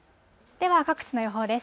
では各地の予報です。